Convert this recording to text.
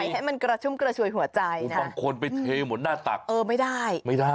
ให้มันกระชุ่มกระชวยหัวใจบางคนไปเทหมดหน้าตักเออไม่ได้ไม่ได้